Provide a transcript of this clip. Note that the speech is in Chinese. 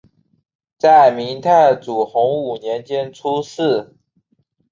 在明太祖洪武年间出仕。